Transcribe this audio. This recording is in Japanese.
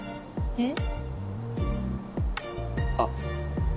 えっ？